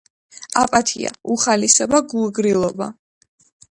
აპათია-უხალისობა, გულგრილობა